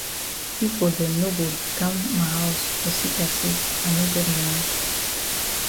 Pipo dem no go di kam for ma haus for seka say I no get moni.